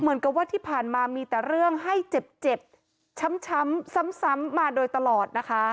เหมือนกับว่าที่ผ่านมามีแต่เรื่องให้เจ็บช้ำซ้ำมาโดยตลอดนะคะ